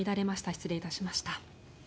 失礼いたしました。